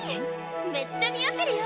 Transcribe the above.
めっちゃ似合ってるよ！